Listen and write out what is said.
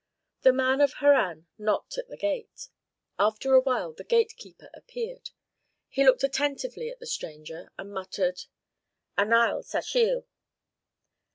The man of Harran knocked at the gate. After a while the gatekeeper appeared. He looked attentively at the stranger, and muttered, "Anael, Sachiel."